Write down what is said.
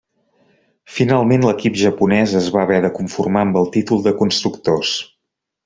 Finalment l'equip japonès es va haver de conformar amb el títol de constructors.